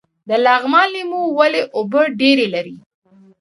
د لغمان لیمو ولې اوبه ډیرې لري؟